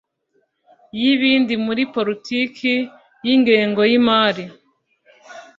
y ibindi muri politiki y ingengo y imari